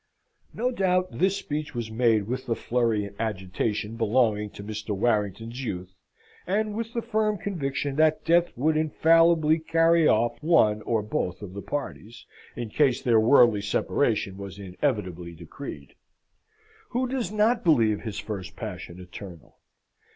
No doubt this speech was made with the flurry and agitation belonging to Mr. Warrington's youth, and with the firm conviction that death would infallibly carry off one or both of the parties, in case their worldly separation was inevitably decreed. Who does not believe his first passion eternal?